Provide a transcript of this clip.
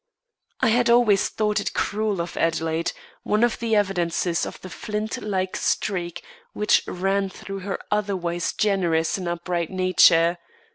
I had always thought it cruel of Adelaide, one of the evidences of the flint like streak which ran through her otherwise generous and upright nature.